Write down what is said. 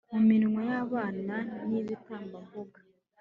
mu minwa y'abana n'iy'ibitambambuga